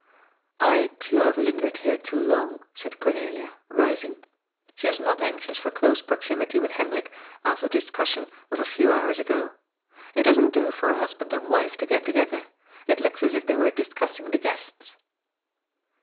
" I too have lingered here too long," said Cornelia, rising. She was not anxious for close proximity with Hendrik, after the discussion of a few hours ago. " It doesn't do for a husband and wife to get together ; it looks as if they were discussing the guests."